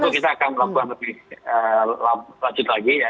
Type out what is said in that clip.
tentu kita akan melakukan lebih lanjut lagi ya